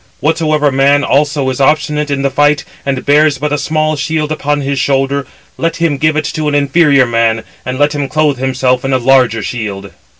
Whatsoever man also is obstinate in the fight, and bears but a small shield upon his shoulder, let him give it to an inferior man, and let him clothe himself in a larger shield."